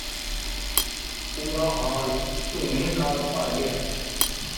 ਪੂਰਾ ਹਾਲ ਧੂੰਏਂ ਨਾਲ ਭਰ ਗਿਆ